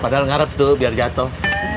padahal ngarep tuh biar jatuh